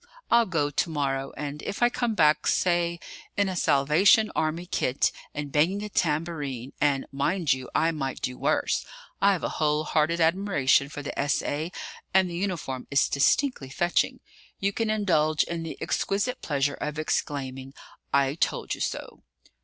I'll go to morrow; and if I come back, say, in a Salvation Army kit, and banging a tambourine and, mind you! I might do worse: I've a whole hearted admiration for the S.A. and the uniform is distinctly fetching you can indulge in the exquisite pleasure of exclaiming, 'I told you so!'